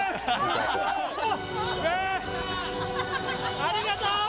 ありがとうー！